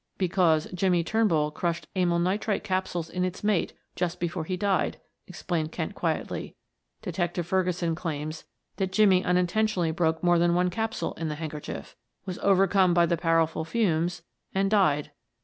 "Because Jimmie Turnbull crushed amyl nitrite capsules in its mate just before he died," explained Kent quietly. "Detective Ferguson claims that Jimmie unintentionally broke more than one capsule in the handkerchief, was overcome by the powerful fumes and died."